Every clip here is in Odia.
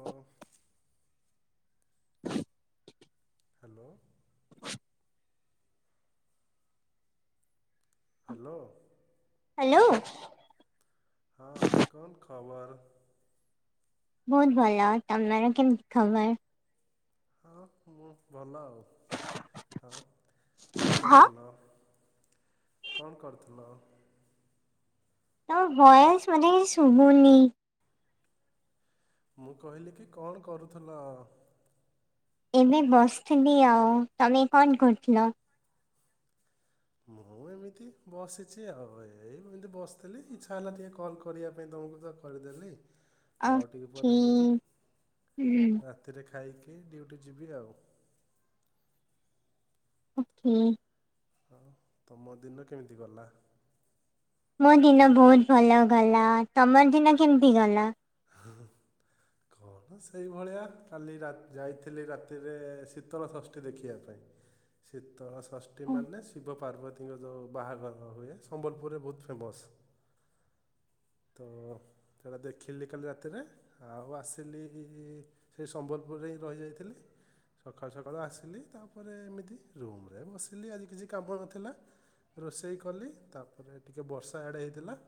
ହଁ [inaudible] ହ୍ୟାଲୋ। ହ୍ୟାଲୋ। ହାଲୋ। ହଁ କଣ ଖବର? ବହୁତ ଭଲ। ତମର କେମିତି ଖବର? ହଁ ମୁଁ ଭଲ ଆଉ। ହ କଣ ହଁ କରୁଥିଲ? କଣ କରୁଥିଲ? ତମ ଭଏସ୍ ମୋତେ କିଛି ଶୁଭୁନି। ମୁଁ କହିଲି କି କଣ କରୁଥିଲ? ଏବେ ବସିଥିଲି ଆଉ ତମେ କଣ କରୁଥିଲ? ମୁଁ ଏମିତି ବସିଛି ଆଉ ଏଇ ଏମିତି ବସିଥିଲି। ଇଚ୍ଛା ହେଲା ଟିକେ କଲ୍ କରିବା ପାଇଁ ତମକୁ ତ କରିଦେଲି ଆଉ ଟିକେ ଓକେ ପରେ ଏମିତି ହୁଁ ହ ରାତିରେ ଖାଇକି ଡିଉଟି ଯିବି ଆଉ ଓକେ। ହଁ ତମ ଦିନ କେମିତି ଗଲା? ମୋ ଦିନ ବହୁତ ଭଲ ଗଲା ତମର ଦିନ କେମତି ଗଲା? ହୁଁ ହୁଁ। କଣ ସେଇଭଳିଆ କାଲି ରାତି ଯାଇଥିଲି ରାତିରେ ଶୀତଳ ଷଷ୍ଠୀ ଦେଖିବା ପାଇଁ। ଶୀତଳ ଷଷ୍ଠୀ ଓ, ମାନେ ଶିବ ପାର୍ବତୀଙ୍କ ଯୋଉ ବାହାଘର ହୁଏ ସମ୍ବଲପୁରରେ ବହୁତ ଫେମସ୍। ତ ସେଟା ଦେଖିଲି କାଲି ରାତିରେ ଆଉ ଆସିଲି ସେ ସମ୍ବଲପୁରରେ ହିଁ ରହିଯାଇଥିଲି। ସକାଳୁ ସକାଳୁ ଆସିଲି, ତାପରେ ଏମିତି ରୁମ ରେ ବସିଲି ଆଜି କିଛି କାମ ନଥିଲା। ରୋଷେଇ କଲି, ତାପରେ ଟିକେ ବର୍ଷା ଆଡେ ହେଇଥିଲା।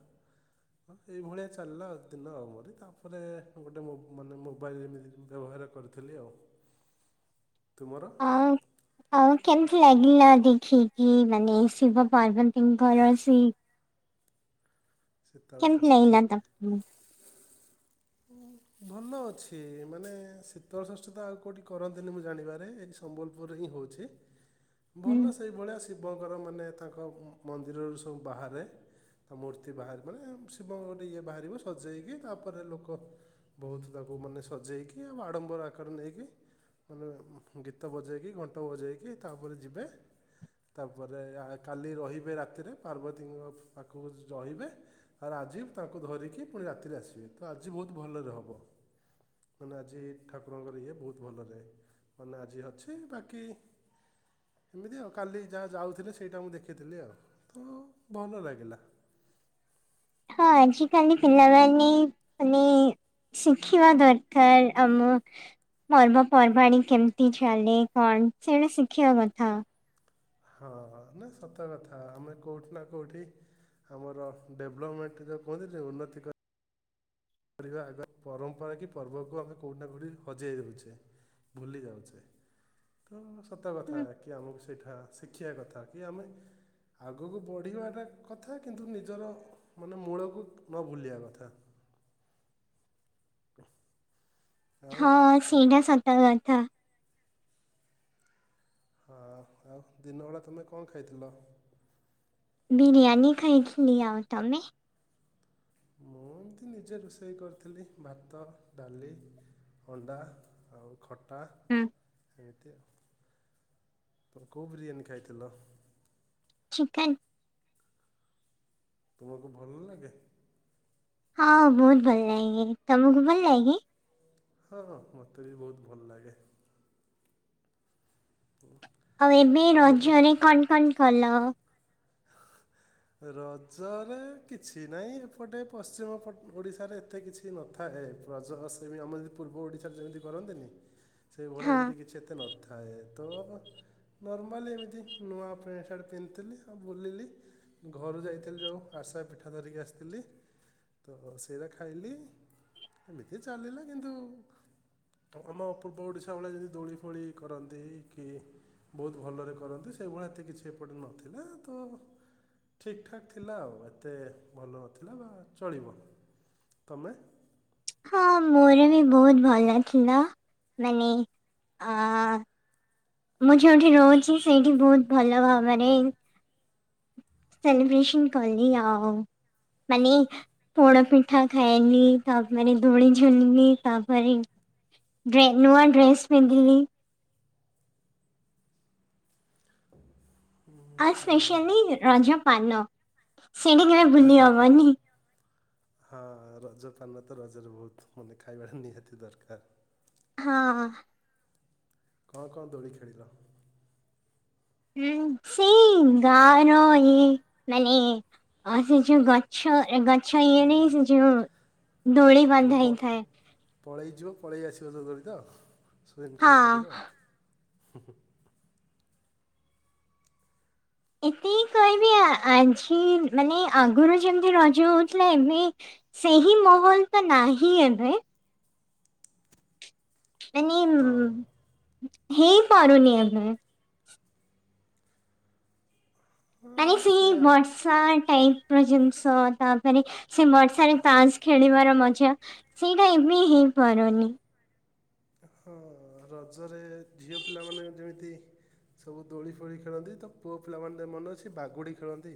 ହଁ ସେଇଭଳିଆ ଚାଲିଲା ଦିନ ଆମରି ତାପରେ ଗୋଟେ ମାନେ ମୋବାଇଲ୍ ଏମିତି ବ୍ୟବହାର କରିଥିଲି, ଆଉ ତୁମର? ହଁ ଆଉ କେମିତି ଲାଗିଲା ଦେଖି କି ମାନେ ଶିବ ପାର୍ବତୀଙ୍କର ସେଇ ଶୀତଳ କେମିତି ଷଷ୍ଠୀ ଲାଗିଲା ତମକୁ? ହୁଁ। ଭଲ ଅଛି ମାନେ ଶୀତଳଷଷ୍ଠୀ ତ ଆଉ କେଉଠି କରନ୍ତିନି, ମୁଁ ଜାଣିବାରେ ଏଇଠି ସମ୍ବଲପୁରରେ ହିଁ ହଉଛି। ହୁଁ ଭଲ ସେଇଭଳିଆ ଶିବଙ୍କର ମାନେ ତାଙ୍କ ମନ୍ଦିରରୁ ସବୁ ବାହାରେ। ତା ମୂର୍ତ୍ତି ବାହାରିବ ମାନେ ଶିବ ଇଏ ବାହାରିବ ସଜେଇକି ତାପରେ ଲୋକ ବହୁତ ତାକୁ ମାନେ ସଜେଇକି ଆଉ ଆଡ଼ମ୍ବର ଆକାର ନେଇକି ମାନେ ଗୀତ ବଜେଇକି, ଘଣ୍ଟ ବଜେଇକି, ତାପରେ ଯିବେ। ତାପରେ କାଲି ରହିବେ ରାତିରେ ପାର୍ବତୀଙ୍କ ପାଖକୁ ରହିବେ। ଆରେ ଆଜି ତାଙ୍କୁ ଧରିକି ପୁଣି ରାତିରେ ଆସିବେ ତ ଆଜି ବହୁତ ଭଲରେ ହବ। ମାନେ ଆଜି ଠାକୁରଙ୍କର ଇଏ ବହୁତ ଭଲ ରେ ମାନେ ଆଜି ଅଛି, ବାକି ଏମିତି ଆଉ କାଲି ଯାହା ଯାଉଥିଲେ ସେଇଟା ମୁଁ ଦେଖିଥିଲି, ଆଉ ତ ଭଲ ଲାଗିଲା। ହଁ ଆଜିିକାଲି ପିଲାମାନେ ମାନେ ଶିଖିବା ଦରକାର ଆମ ପର୍ବପର୍ବାଣି କେମିତି ଚାଲେ, କଣ ସେଇଟା ଶିଖିବା କଥା। ହଁ ନା ସତ କଥା ଆମେ କୋଉଠି ନା କୋଉଠି ଆମର ଡେବ୍ଲମେଣ୍ଟ ଯୋଉ କୁହନ୍ତିନି ଉନ୍ନତି ପରିବା ଆଗ ରେ ପରମ୍ପରା କି ପର୍ବକୁ ଆମେ କୋଉଠି ନା କୋଉଠି ହଜେଇ ଦେଉଛେ, ଭୁଲି ଯାଉଛେ। ତ ସତ ହୁଁ, କଥା କି ଆମକୁ ସେଇଟା ଶିଖିବା କଥା କି ଆମେ ଆଗକୁ ବଢ଼ିବାଟା କଥା କିନ୍ତୁ ନିଜର ମାନେ ମୂଳକୁ ନ ଭୁଲିବା କଥା। [unintelligible] ହଁ ତମ ସେଇଟା ସତ କଥା। ହଁ ଆଉ ଦିନ ବେଳା ତମେ କଣ ଖାଇଥିଲ? ବିିରିୟାନୀ ଖାଇଥିଲି, ଆଉ ତମେ? ମୁଁ ଏମିତି ନିଜେ ରୋଷେଇ କରିଥିଲି, ଭାତ, ଡାଲି ଅଣ୍ଡା ଆଉ ଖଟା। ହୁଁ। ଏମିତି ଆଉ ତମେ କୋଉ ବିରିୟାନି ଖାଇଥିଲ? ଚିକେନ। ତୁମ କୁ ଭଲ ଲାଗେ? ହଁ ବହୁତ ଭଲ ଲାଗେ, ତମକୁ ଭଲ ଲାଗେ? ହଁ ହଁ ମତେ ବି ବହୁତ ଭଲ ଲାଗେ। ହୁଁ। ଆଉ ଏବେ ରଜରେ କଣ କଣ କଲ? [unintelligible] ରଜରେ କିଛି ନାହିଁ, ଏପଟେ ପଶ୍ଚିମ ଓଡିଶାରେ ଏତେ କିଛି ସେମିତି ନଥାଏ, ରଜ ବା ସେ ଆମ ପୂର୍ବ ଓଡ଼ିଶାରେ ଯେମିତି କରନ୍ତିନି ସେ ଭଳିଆ ହଁ ଏମିତି କିଛି ଏତେ ନଥାଏ ତ ନର୍ମାଲି ଏମିତି ନୂଆ ପ୍ୟାଣ୍ଟ ସାର୍ଟ ପିନ୍ଧିଥିଲି ଆଉ ବୁଲିଲି ଘରୁ ଯାଇଥିଲି ଯୋଉ ଆରିସା ପିଠା ଧରିକି ଆସିଥିଲି। ତ ସେଇରା ଖାଇଲି ଏମିତି ଚାଲିଲା କିନ୍ତୁ ତମ ପୂର୍ବ ଓଡ଼ିଶା ଭଳିଆ ଯଦି ଦୋଳି ଫୋଳି କରନ୍ତି କି। ବହୁତ ଭଲରେ କରନ୍ତି ସେଇଭଳିଆ ଏତେ କିଛି ଏପଟେ ନଥିଲା ତ ଠିକ୍ ଠାକ୍ ଥିଲା ଆଉ ଏତେ ଭଲ ନଥିଲା ବା ଚଳିବ, ତମେ ହଁ ମୋର ବି ବହୁତ ଭଲ ଥିଲା, ମାନେ ମୁଁ ଯଉଠି ରହୁଛି ସେଇଠି ବହୁତ ଭଲ ଭାବରେ ସେଲିିବ୍ରେସନ କଲି ଆଉ, ମାନେ ପୋଡୋ ପିଠା ଖାଇଲି, ତାପରେ ଦୋଳି ଝୁଲିଲି, ତାପରେ ଡ୍ରେ ନୂଆ ଡ୍ରେସ ପିନ୍ଧିଲି। ଉଁ ଆଉ ଭଲ। ସ୍ପେଶାଲି ରଜ ପାନ ସେଇ ଟା କେଵେ ଭୁଲି ହବନି। ହଁ ରଜ ପାନ ତ ରଜରେ ବହୁତ ମାନେ ଖାଇବାର ନିହାତି ଦରକାର। ହଁ। କଅଁ କଅଁ ଦୋଳି ଖେଳିଲ। ଉଁ ସେଇ ଗାଁ ର ଇ ମାନେ ଅ ସେ ଯୋଉ ଗ ଛ ଗଚ୍ଛ ଇଏ ରେ ସେ ଯୋଉ ଦୋଳି ଯଦି ବାନ୍ଧା ପ- ହେଇଥାଏ। ପଳେଇ ଯିବ ପଳେଇ ଆସିବ ଯୋଉ ଦୋଳି ତ ହଁ ସ୍ୱୟଙ୍କାଳି କରିବଆଉ ହୁ ହୁ। ଏତିକ କହିବି ଆ ଆଜି ମାନେ ଆଗୁରୁ ଯେମିତି ରଜ ହଉଥିଲା ଏବେ ସେହି ମହଲ ତ ନାହିଁ ଏବେ। ମାନେ ହଁ ଉଁ ହେଇ ପାାରୁୁନି ଏବେ। ମାନେ ହଁ, ସେଇ ସେ ଆଗ ବର୍ଷା ଟାଇପ୍ ର ଜିନିଷ୍ ତାପରେ ସେ ବର୍ଷା ରେ ତାସ୍ ଖେଳିବାର ମଜା ସେଇଟା ଏବେ ହେଇପାରୁନି। ହଁ ରଜରେ ଝିଅ ପିଲାମାନେ ଯେମିତି୍ ସବୁ ଦୋଳି ଫୋଳି ଖେଳନ୍ତି ତ ପୁଅ ପିଲାମାନେ ମନେ ମନ ଅଛି ବାଗୁଡ଼ି ଖେଳନ୍ତି।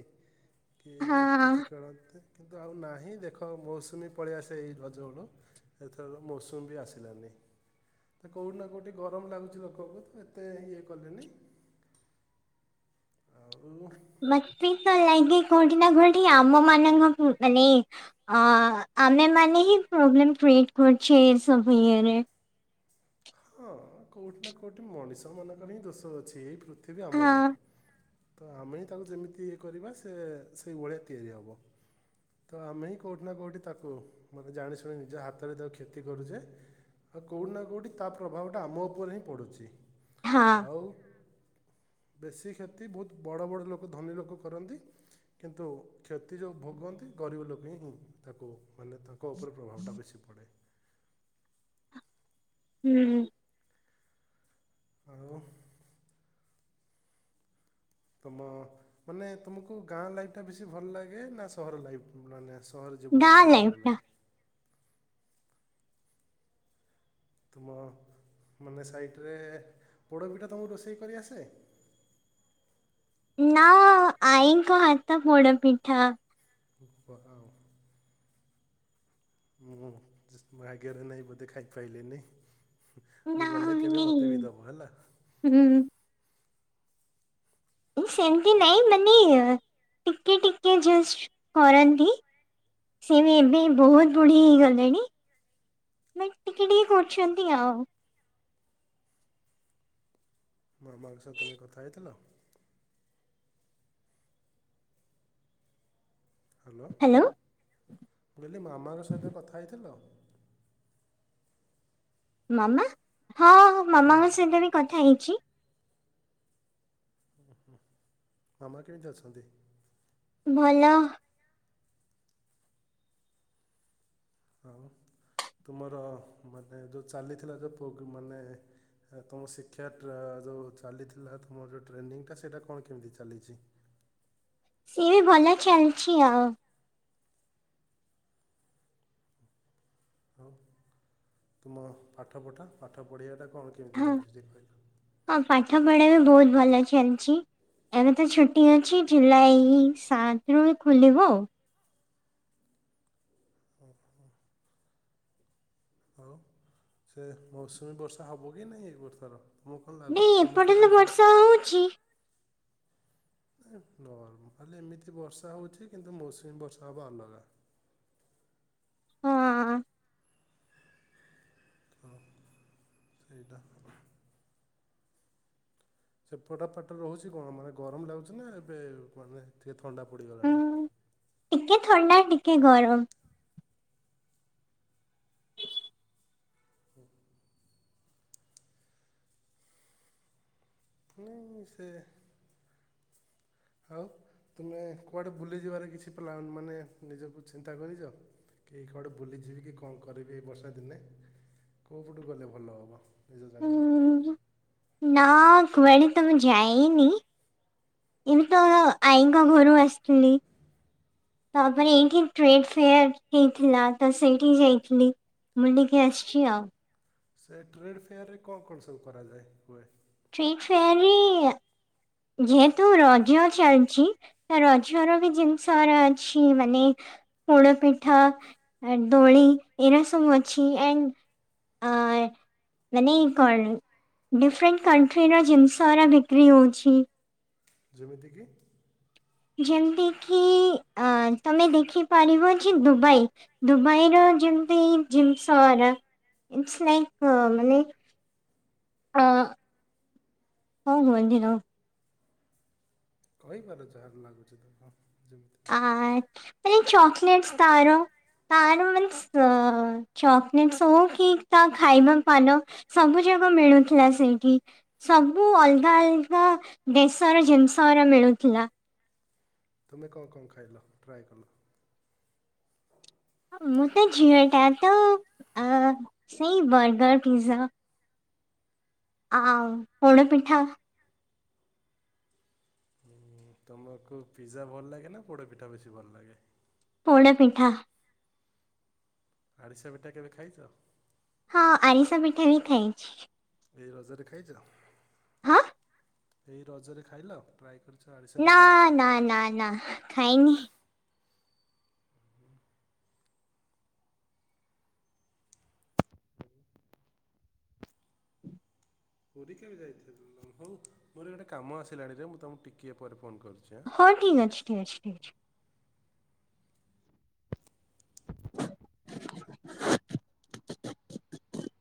ହଁ କେଇ କିଛି କିଣନ୍ତି କିନ୍ତୁ ଆଉ ନାହିଁ ଦେଖ ମୌସୁମୀ ପଳେଇ ଆସେ ଏଈ ରଜ ବେଳୁ। ଏଥର ମୌସୁମ ବି ଆସିଲାନି। ତ କେଉଁଠି ନା କେଉଁଠି ଗରମ ଲାଗୁଛି ଲୋକକୁ ତ ଏତେ ଇଏ କଲିନି। ଆ ଉ [unintelligible] ମତେ ତ ଲାଗେ କୋଉଠି ନା କୋଉଠି ଆମ ମାନଙ୍କ ମାନେ ଅ ଆମେ ମାନେ ହିଁ ପ୍ରୋବ୍ଲେମ କ୍ରିଏଟ କରୁଛେ ଏ ସବୁ ଇଏରେ। ହଁ କୋଉଠି ନା କୋଉଠି ମଣିଷ ମାନଙ୍କର ହିଁ ଦୋଷ ଅଛି ଏଇ ପୃ ପୃଥିବି ଆମର, ହଁ ତ ଆମେ ହିଁ ତାକୁ ଯେମିତି ଇଏ କରିବା ସେ ସେଇ ଭଳିଆ ତିଆରି ହେବ। ତ ଆମେ ହିଁ କୋଉଠି ନା କୋଉଠି ତାକୁ ମାନେ ଜାଣିଶୁଣି ନିଜ ହାତରେ ତାକୁ କ୍ଷତି କରୁଛେ। ଆଉ କୋଉଠି ନା କୋଉଠି ତା ପ୍ରଭାବଟା ଆମ ଉପରେ ହିଁ ପଡ଼ୁଛି, ହଁ ଆଉ ବେଶୀ କ୍ଷତି ବହୁତ ବଡ଼ ବଡ଼ ଲୋକୋ ଧନୀ ଲୋକୋ କରନ୍ତି। କିନ୍ତୁ କ୍ଷତି ଯୋଉ ଭୋଗନ୍ତି, ଗରିବ ଲୋକ ହିଁ ତାକୁ ମାନେ ତା କୋ ଉପରେ ପ୍ରଭାବଟା ବେଶୀ ପଡ଼େ। ଉଁ। ଆଉ। ତମ ମାନେ ତମକୁ ଗାଁ ଲାଇଫ ଟା ବେଶୀ ଭଲ ଲାଗେ ନା ସହର ଲାଇଫ ମାନେ ଅସ୍ ସହର ଜୀବନ ଗାଁ ବେଶୀ ଲାଇଫ ଭଲ ଟା ଲାଗେ। ତୁମ ମାନେ ସାଇଟ୍ରେ ପୋଡ଼ପିଠା ତୁମକୁ ରୋଷେଇ କରି ଆସେ? ନା ଆଈଙ୍କ ହାତ ପୋଡ ପିଠା। ଉପ କଉ [unintelligible] ମୁଁ ଜ ଭାଗ୍ୟରେ ନାହିଁ ବୋଧେ ଖାଇପାଇଲିନି। ହେ, ନା ମୁଁ ଗଲେ କେବେ ମାନେ ମତେ ବି ଦବ ହେଲା। ହୁଁ। ସେମିତି ହଁ ନାଇଁ ମାନେ ଟିକେ ଟିକେ ଜସ୍ କରନ୍ତି। ସିଏ ବି ଏବେ ବହୁତ ବୁଢ଼ି ହେଇଗଲେଣି। ମାନେ ଟିକେ ଟିିକେ କରୁଛନ୍ତି ଆଉ। ମା ମା ଙ୍କ ସହ ତମେ କଥା ହେଇଥିଲ? ହ୍ୟାଲୋ କହିଲି ମାମାଙ୍କ ସହିତ କଥା ହେଇଥିଲ? ମାମା ହଁ ମାମାଙ୍କ ସହିତ ବି କଥା ହେଇଛି। ମାମା କେମିତି ଅଛନ୍ତି? ଭଲ ଆଉ ତୁମର ମାନେ ଯେଉଁ ଚାଲିଥିଲା ଯେଉ ମାନେ ତୁମ ଶିକ୍ଷା ଯେଉଁ ଚାଲିଥିଲା ତୁମର ଯେଉଁ ଟ୍ରେନିଂଟା ସେଇଟା କଣ କେମିତି ଚାଲିଛି? ସିଏ ବି ଭଲ ଚାଲିଛି ଆଉ। ହଉ ତୁମ ପାଠ ପଠା ପାଠ ପଢ଼ିବାଟା କଣ କେମିତି ହଁ ଯାଉଛି ଯେ କହିଲ? ହଁ ପାଠ ପଢା ବି ବହୁତ ଭଲ ଚାଲିଛି। ଏବେ ତ ଛୁଟି ଅଛି ଜୁଲାଇ ସାତରୁ ଖୋଲିବ। ଓହୋ। ଆଉ ସେ ମୌସୁମୀ ବର୍ଷା ହେବ କି ନାହିଁ ଏ ବର୍ଷର? ତମକୁ କଣ ନାଇଁ ଲାଗୁଛି? ଏପଟେ ସମସ୍ତେ ତ ବର୍ଷା କହୁଛନ୍ତି ହଉଛି ନା ଖାଲି ଏମିତି ବର୍ଷା ହେଉଛି କିନ୍ତୁ ମୌସୁମୀ ବର୍ଷା ହେବ ଅଲଗା। ହଁ। ହଁ ସେଇଟା। ସେପଟେ ଫାଟ ରହୁଛି କଣ ମାନେ ଗରମ ଲାଗୁଛି ନା ଏବେ ମାନେ ଟିକେ ଥଣ୍ଡା ପଡ଼ିଗଲାଣି। ହୁଁ। ଟିକେ ଥଣ୍ଡା, ଟିକେ ଗରମ। ଓ ନା ସେ ହଉ ତୁମେ କୁଆଡ଼େ ଭୁଲିଯିବାର କିଛି ପ୍ଲାନ୍ ମାନେ ନିଜକୁ ଚିନ୍ତା କରିଛ? କେହି କୁଆଡ଼େ ବୁଲିଯିବି କି କଣ କରିବି ଏଇ ବର୍ଷା ଦିନେ କୋଉ ପଟୁ ଗଲେ ଭଲ ହବ? ଜର ଜ [unintelligible] [unintelligible] ହୁଁ। ନା କୁଆଡେ ତ ମୁଁ ଜାଇନି। ଏଇତ ଆଇଙ୍କ ଘରୁ ଆସିଥିଲି। ତାପରେ ଏଇଠି ଟ୍ରେଡ ଫେୟାର ହେଇଥିଲା ତ ସେଇଠି ଯାଇଥିଲି। ବୁଲିକି ଆସିଛି ଆଉ। ସେ ଟ୍ରେଡ଼୍ ଫେୟାରରେ କଣ, କଣ ସବୁ କରାଯାଏ ହୁଏ? [unintelligible] ଅଫର ଯେହେତୁ ରଜ ଚାଲିଛି। ରଜ ର ବି ଜିନିଷ ଅଛି ମାନେ ପୋଡୋ ପିଠା। ଦୋଳି ଏରା ସବୁ ଅଛି। [unintelligible] ଆ ମାନେ କଣ ଡିଫରେଣ୍ଟ କଣ୍ଟ୍ରି ର ଜିନିଷରା ବିକ୍ରି ହଉଛି। ଯେମିତିକି? ଯେମିତିକି ତମେ ଦେଖିପାରିବ ଯେ ଦୁବାଇ ଦୁବାଇର ଜିମତି ଜିନିସ ରା ଇଟ୍ସ ଲାଇକ୍ ମାନେ କୋଉ ମନ୍ଦିର? କହିପାର ଯାହାବି ଲାଗୁଛି ତ ହଁ। ଆଉ ଚକଲେଟ୍ସ ତାର ତାର ମାନେ ଚକ୍ଲେଟ୍ସ ହଉ କି ତାହା ଖାଇବା ପା ସବୁ ଯାକ ମିଳୁଥିଲା ସେଇଠି। ସବୁ ଅଲଗା ଅଲଗା ଦେଶର ଜିନିଷ ରା ମିଳୁଥିଲା। ତୁମେ କଣ, କଣ ଖାଇଲ ଟ୍ରାଏ କଲ? ମୁଁ ତ ଝିଅଟା ତ ସେଇ ବର୍ଗର, ପିଜ୍ଜା। ଉ ପୋଡ଼ ପିଠା ହଁ ତମକୁ ପିଜା ଭଲ ଲାଗେ, ନା ପୋଡ ପିଠା ବେଶୀ ଭଲ ଲାଗେ? ପୋଡ଼ପିଠା। ଆଣିଷ ପିଟା କେବେ ଖାଇଛ? ହଁ ଆରିଷା ପିଠା ବି ଖାଇଛି। ଏ ରଜାରେ ଖାଇଛ? ହାଁ? ଏଇ ରଜରେ ଖାଇଲ? ଟ୍ରାଏ କରି ନା, ନା, ନା, ନା ଖାଇନି। [inaudible] ପୁରୀ କେବେ ଯାଇଥିଲ? ହଉ ମୋର ଗୋଟେ କାମ ଆସିଲାଣିରେ, ମୁଁ ତମକୁ ଟିକିଏ ପରେ ଫୋନ କରିଛିଁ। ହଠିକ୍ ଅଛି ଠିକ ଅଛି ଅଛି। [unintelligible]